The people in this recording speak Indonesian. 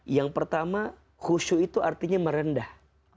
yang pertama khusyuk itu artinya merendah